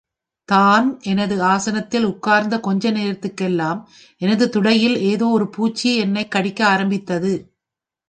தான் எனது ஆசனத்தில் உட்கார்ந்த கொஞ்ச நேரத்திற்கெல்லாம் எனது துடையில் ஏதோ ஒரு பூச்சி என்னைக் கடிக்க ஆரம்பித்தது!